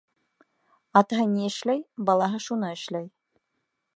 Атаһы ни эшләй, балаһы шуны эшләй.